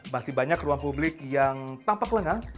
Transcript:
masih banyak ruang publik yang tampak lengah